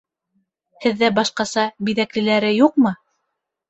Һеҙҙә башҡаса биҙәклеләре юҡмы?